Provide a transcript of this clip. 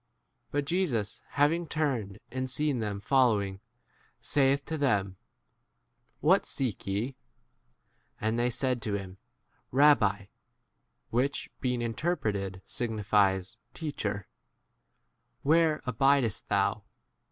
But Jesus having turned, and seeing them following, saith to them, What seek ye ? And tlwy said to him, Rabbi, (which, being interpreted, signifies Teach 39 er,) where abidest thou